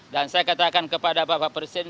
dan saya katakan kepada bapak presiden